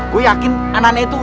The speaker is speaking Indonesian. gue yakin anak anak itu